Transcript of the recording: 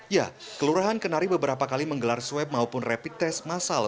ya kelurahan kenari beberapa kali menggelar swab maupun rapid test masal